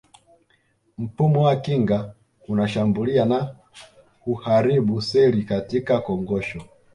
Mfumo wa kinga unashambulia na huharibu seli katika kongosho